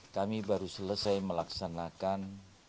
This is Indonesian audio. kami baru selesai melaksanakan